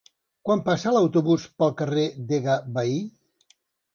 Quan passa l'autobús pel carrer Degà Bahí?